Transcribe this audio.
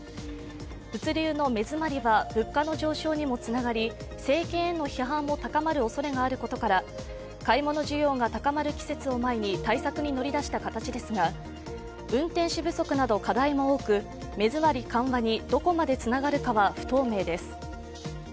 物流の目詰まりは物価の上昇にもつながり政権への批判も高まるおそれがあることから買い物需要が高まる季節を前に対策に乗り出した形ですが運転手不足など課題も多く、目詰まり緩和にどこまでつながるかは不透明です。